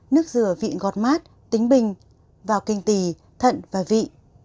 nước rửa vị ngọt mát tính bình vào kinh tì thận và vị